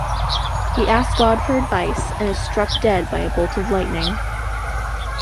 He asks God for advice, and is struck dead by a bolt of lightning.